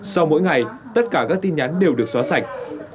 sau mỗi ngày tất cả các tin nhắn đều được xóa sạch